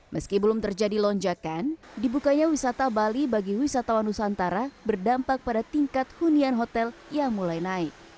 meski belum terjadi lonjakan dibukanya wisata bali bagi wisatawan nusantara berdampak pada tingkat hunian hotel yang mulai naik